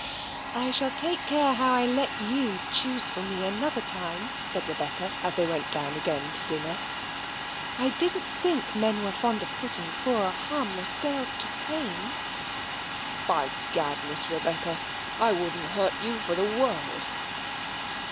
"I shall take care how I let YOU choose for me another time," said Rebecca, as they went down again to dinner. "I didn't think men were fond of putting poor harmless girls to pain." "By Gad, Miss Rebecca, I wouldn't hurt you for the world."